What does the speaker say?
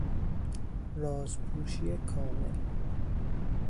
راز پوشی کامل